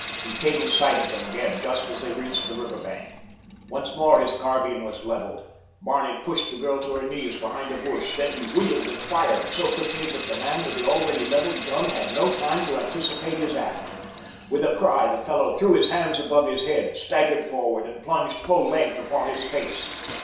He came in sight of them again, just as they reached the river bank. Once more his carbine was leveled. Barney pushed the girl to her knees behind a bush. Then he wheeled and fired, so quickly that the man with the already leveled gun had no time to anticipate his act. With a cry the fellow threw his hands above his head, staggered forward and plunged full length upon his face.